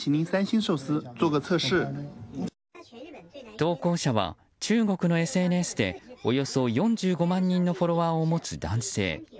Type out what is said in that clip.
投稿者は、中国のＳＮＳでおよそ４５万人のフォロワーを持つ男性。